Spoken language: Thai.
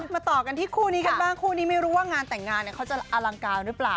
มาต่อกันที่คู่นี้กันบ้างคู่นี้ไม่รู้ว่างานแต่งงานเขาจะอลังการหรือเปล่า